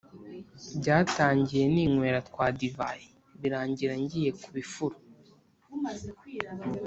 Byatangiye ninywera twa divayi birangira ngiye kubifuro